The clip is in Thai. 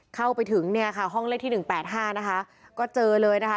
เข้าไปถึงเนี่ยค่ะห้องเล่นที่๑๘๕นะคะก็เจอเลยนะคะ